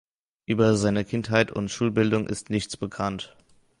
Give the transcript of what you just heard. Über seine Kindheit und Schulbildung ist nichts bekannt.